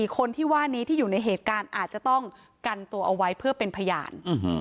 คนที่ว่านี้ที่อยู่ในเหตุการณ์อาจจะต้องกันตัวเอาไว้เพื่อเป็นพยาน